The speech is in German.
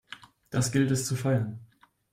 Das gilt es zu feiern!